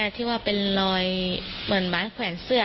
ที่ว่าเป็นรอยเหมือนไม้แขวนเสื้อ